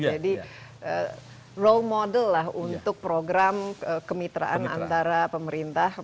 jadi role model lah untuk program kemitraan antara pemerintah